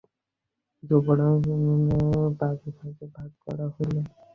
যুবরাজ ও ইন্দ্রকুমারের অধীনে দশ হাজার সৈন্য পাঁচ ভাগে ভাগ করা হইল।